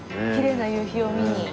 きれいな夕日を見に。